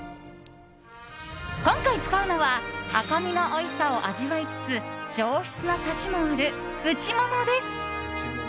今回、使うのは赤身のおいしさを味わいつつ上質なサシもある、内モモです。